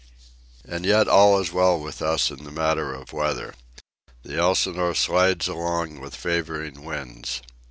And yet all is well with us in the matter of weather. The Elsinore slides along with favouring winds.